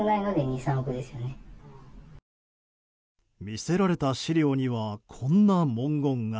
見せられた資料にはこんな文言が。